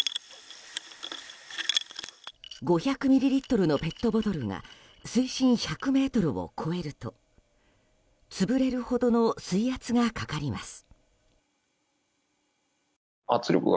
５００ミリリットルのペットボトルが水深１００ｍを超えると潰れるほどの水圧がかかります。